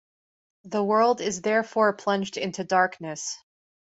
The world is therefore plunged into darkness.